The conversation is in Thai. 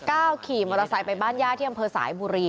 ขี่มอเตอร์ไซค์ไปบ้านญาติที่อำเภอสายบุรี